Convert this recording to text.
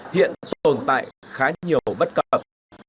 hiện tồn tại khá nhiều bất cập